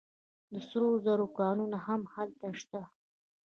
د سرو زرو کانونه هم هلته شته.